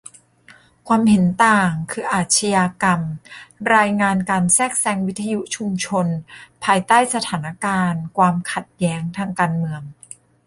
'ความเห็นต่าง' คือ อาชญากรรม : รายงานการแทรกแซงวิทยุชุมชนภายใต้สถานการณ์ความขัดแย้งทางการเมือง